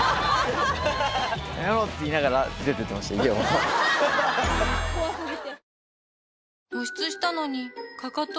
「この野郎！」って言いながら出ていってました家を怖すぎて？